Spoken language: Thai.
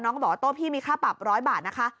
ก็บอกว่าโต๊ะพี่มีค่าปรับ๑๐๐บาทนะคะ